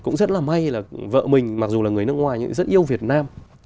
cũng rất là may là vợ mình mặc dù là người nước ngoài nhưng rất yêu việt nam